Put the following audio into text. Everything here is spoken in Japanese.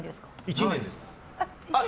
１年です。